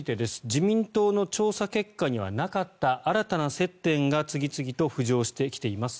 自民党の調査結果にはなかった新たな接点が次々と浮上してきています。